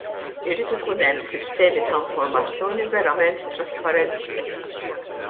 Irid ikun hemm sistemi ta' informazzjoni verament trasparenti.